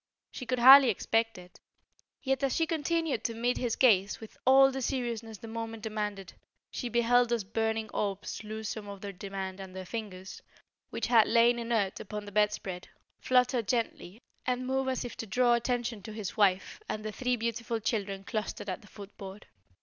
She could hardly expect it. Yet as she continued to meet his gaze with all the seriousness the moment demanded, she beheld those burning orbs lose some of their demand and the fingers, which had lain inert upon the bedspread, flutter gently and move as if to draw attention to his wife and the three beautiful children clustered at the foot board.